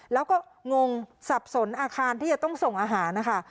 แล้วก็งงสับสนอาคารที่จะต้องส่งอาหารนะคะ